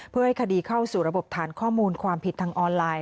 เพื่อให้คดีเข้าสู่ระบบฐานข้อมูลความผิดทางออนไลน์